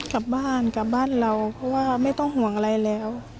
กลับบ้านกลับบ้านเราเพราะว่าไม่ต้องห่วงอะไรแล้ว